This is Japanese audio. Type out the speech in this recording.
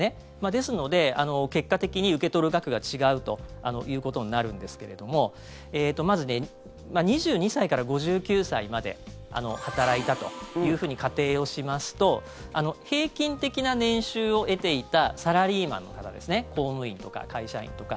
ですので、結果的に受け取る額が違うということになるんですがまず、２２歳から５９歳まで働いたというふうに仮定をしますと平均的な年収を得ていたサラリーマンの方ですね公務員とか会社員とか。